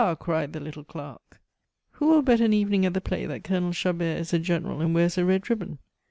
cried the little clerk, "who will bet an evening at the play that Colonel Chabert is a General, and wears a red ribbon?"